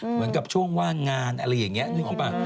เหมือนกับช่วงว่างงานอะไรอย่างนี้นึกออกป่ะ